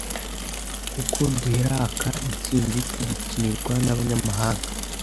Kuko duheraka insinzi tugikinirwa nabanyamahanga